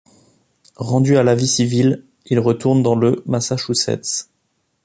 Rendu à la vie civile, il retourne dans le Massachusetts.